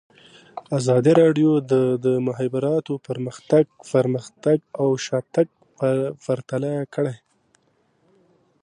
ازادي راډیو د د مخابراتو پرمختګ پرمختګ او شاتګ پرتله کړی.